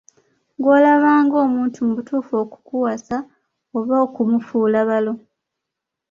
Ggw'olaba nga muntu mutuufu okukuwasa oba okumufuula balo?